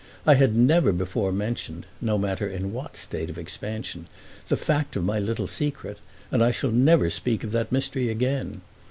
I had never before mentioned, no matter in what state of expansion, the fact of my little secret, and I shall never speak of that mystery again.